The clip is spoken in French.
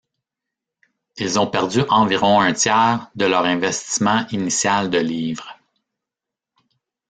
Ils ont perdu environ un tiers de leur investissement initial de livres.